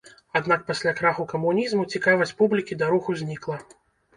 Аднак пасля краху камунізму цікавасць публікі да руху знікла.